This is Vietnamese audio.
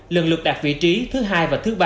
lần lượt đạt vị trí thứ hai và thứ ba